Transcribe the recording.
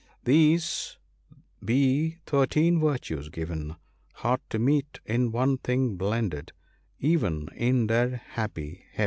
— these be thirteen virtues given, Hard to meet in one thing blended, even in their happy heaven."